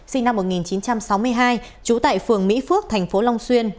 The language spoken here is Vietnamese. sinh năm một nghìn chín trăm sáu mươi hai trú tại phường mỹ phước thành phố long xuyên